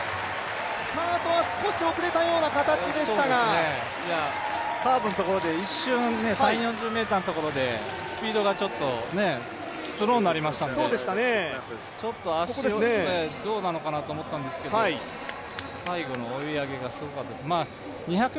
スタートは少し遅れたような形でしたが、カーブのところで一瞬、３０４０ｍのところでスピードがちょっとスローになりましたのでちょっと足がどうなのかなと思ったんですけど、最後の追い上げがすごかったです。